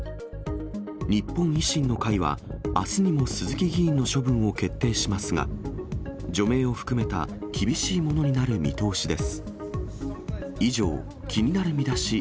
日本維新の会は、あすにも鈴木議員の処分を決定しますが、除名を含めた厳しいものになる見通しです。